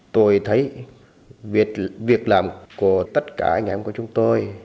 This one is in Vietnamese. tôi thấy việc làm của tất cả anh em của chúng tôi